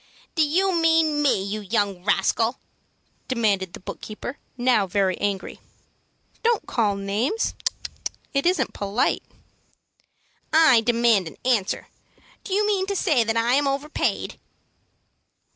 "Do you mean me, you young rascal?" demanded the book keeper, now very angry. "Don't call names. It isn't polite." "I demand an answer. Do you mean to say that I am overpaid?"